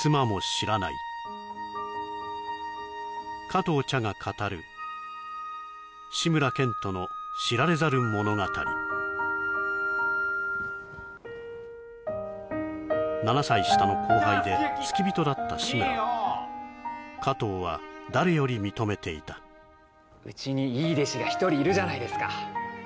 加藤茶が語る志村けんとの知られざる物語７歳下の後輩で付き人だった志村を加藤は誰より認めていたうちにいい弟子が１人いるじゃないですか